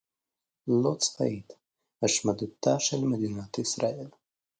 לא צבאית - השמדתה של מדינת ישראל